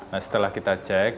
nah setelah kita cek